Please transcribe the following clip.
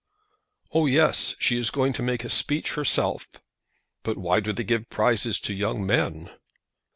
"Oh, yes; she is going to make a speech herself." "But why do they give prizes to young men?"